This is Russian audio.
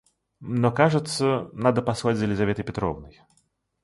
Но кажется... Надо послать за Лизаветой Петровной.